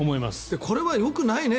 これはよくないね